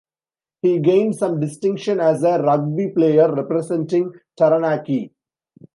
He gained some distinction as a rugby player, representing Taranaki.